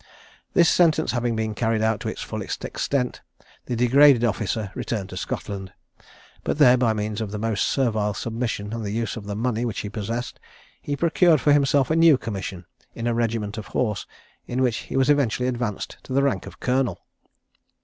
This sentence having been carried out to its fullest extent, the degraded officer returned to Scotland; but there, by means of the most servile submission and the use of the money which he possessed, he procured for himself a new commission in a regiment of horse, in which he was eventually advanced to the rank of colonel.